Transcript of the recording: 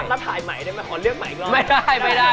อีกหน่อยก็ได้ขอเลือกหน่อยก็ได้